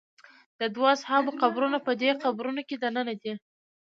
د دوو اصحابو قبرونه په دې قبرونو کې دننه دي.